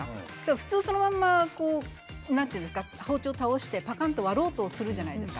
普通そのまま包丁を倒してぱかんと割ろうとするじゃないですか。